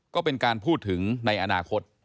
ก็เป็นการพูดถึงในอนาคต